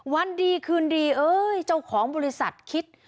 วันดีคืนดีเอ้ยเจ้าของบริษัทคิด